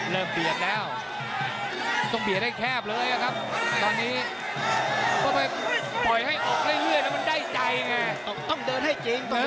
ต้องเดินให้จริงต้องเดินให้จริง